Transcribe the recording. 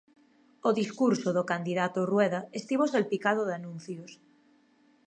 O discurso do candidato Rueda estivo salpicado de anuncios.